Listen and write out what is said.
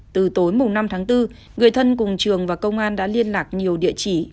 từ tối năm tháng bốn người thân cùng trường và công an đã liên lạc nhiều địa chỉ